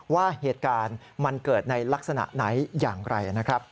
ว่าเหตุการณ์มันเกิดในลักษณะไหนอย่างไรนะครับ